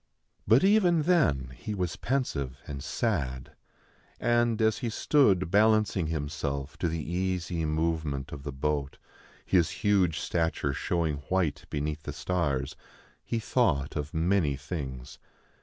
But even then he was pensive and sad ; and, as he stood balancing himself to the easy movement of the boat, his huge stature showing white beneath the stars, he thought of many things.